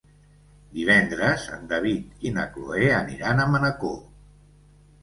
Divendres en David i na Cloè aniran a Manacor.